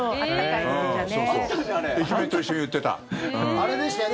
あれでしたよね？